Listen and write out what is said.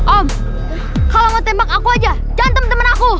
om kalo mau tembak aku aja jangan temen temen aku